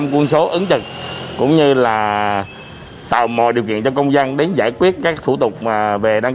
một trăm quân số ứng trực cũng như là tạo mọi điều kiện cho công dân đến giải quyết các thủ tục về đăng